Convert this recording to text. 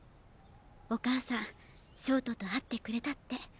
お母さん焦凍と会ってくれたって。